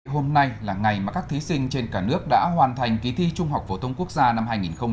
hôm nay là ngày mà các thí sinh trên cả nước đã hoàn thành kỳ thi trung học phổ thông quốc gia năm hai nghìn một mươi chín